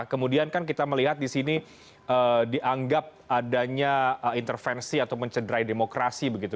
kemudian kan kita melihat di sini dianggap adanya intervensi atau mencederai demokrasi begitu